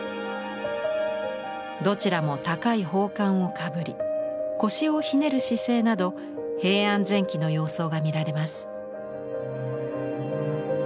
どちらも高い宝冠をかぶり腰をひねる姿勢など平安前期の様相が見られます。